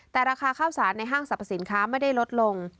แต่ราคาข้าวสารในห้างสรรพสินค้าไม่ได้ลดลง